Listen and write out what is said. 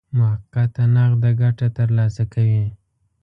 موقته نقده ګټه ترلاسه کوي.